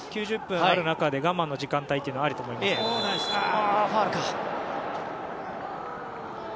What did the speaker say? ９０分ある中で、我慢の時間帯はファウルか。